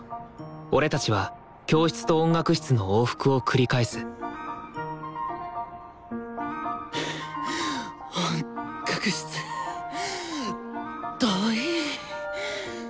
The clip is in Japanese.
俺たちは教室と音楽室の往復を繰り返す音楽室遠い。